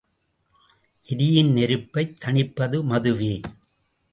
எரியும் நெருப்பைத் தனிப்பது மதுவே!